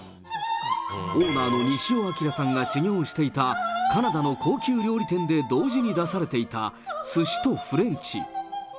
オーナーの西尾明さんが修業していたカナダの高級料理店で同時に出されていたすしとフレンチ。